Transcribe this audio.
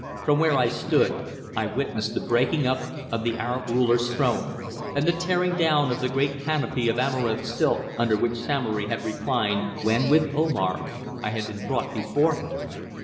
From where I stood I witnessed the breaking up of the Arab ruler's throne, and the tearing down of the great canopy of amaranth silk under which Samory had reclined when, with Omar, I had been brought before him.